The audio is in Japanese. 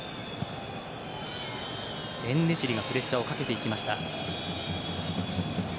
エンネシリがプレッシャーをかけていきました。